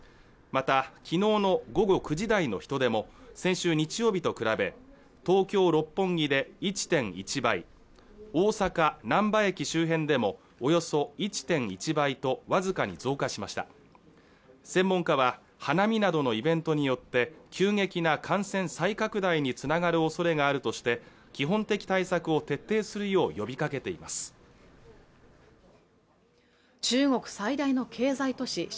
またきのうの午後９時台の人出も先週日曜日と比べ東京・六本木で１．１倍大阪・なんば駅周辺でもおよそ１．１倍とわずかに増加しました専門家は花見などのイベントによって急激な感染再拡大につながる恐れがあるとして基本的対策を徹底するよう呼びかけています中国最大の経済都市